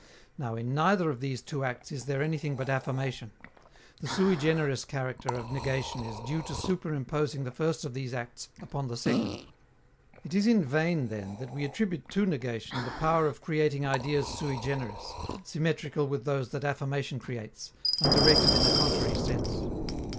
Now, in neither of these two acts is there anything but affirmation. The sui generis character of negation is due to superimposing the first of these acts upon the second. It is in vain, then, that we attribute to negation the power of creating ideas sui generis, symmetrical with those that affirmation creates, and directed in a contrary sense.